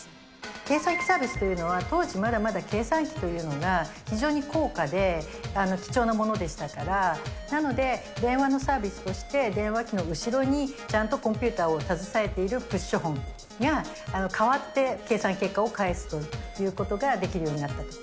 計算サービスというのは当時、まだまだ計算機というのが非常に高価で、貴重なものでしたから、なので、電話のサービスとして、電話機の後ろにちゃんとコンピューターを携えているプッシュホンが、代わって計算結果を返すということができるようになった。